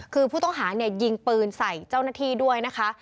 คือผู้ต้องหาเนี่ยยิงปืนใส่เจ้าหน้าที่ด้วยนะคะ